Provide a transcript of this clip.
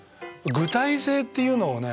具体性っていうのをね